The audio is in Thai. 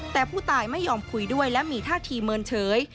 แต่ผู้ตายไม่ยอมคุยด้วยและมีท่าทีเมินเฉย